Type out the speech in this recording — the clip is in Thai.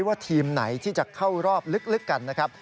ว่าทีมไหนที่จะเข้ารอบลึกกันนะครับ